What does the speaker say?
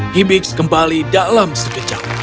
hibis kembali dalam sekejap